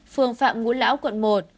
phường phạm ngũ lão